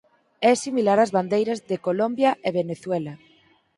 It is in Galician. É similar ás bandeiras de Colombia e Venezuela.